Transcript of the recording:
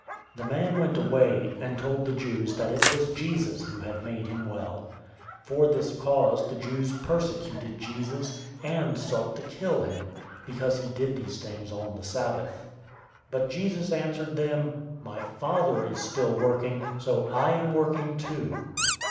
005:015 The man went away, and told the Jews that it was Jesus who had made him well. 005:016 For this cause the Jews persecuted Jesus, and sought to kill him, because he did these things on the Sabbath. 005:017 But Jesus answered them, "My Father is still working, so I am working, too."